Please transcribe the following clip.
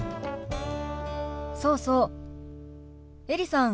そうそうエリさん。